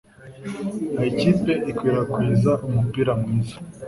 aha ikipe ikwirakwiza umupira mwiza